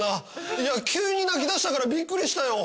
いや急に泣き出したからビックリしたよ。